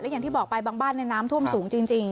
อย่างที่บอกไปบางบ้านน้ำท่วมสูงจริง